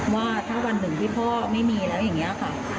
ว่าถ้าวันหนึ่งที่พ่อไม่มีแล้วอย่างนี้ค่ะ